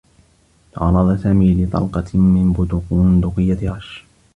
تعرّض سامي لطلقة من بندقيّة رشّ.